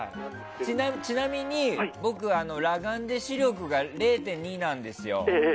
ちなみに、僕裸眼で視力が０．２なんですよ。